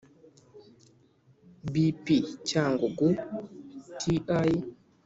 B P Cyangugu T l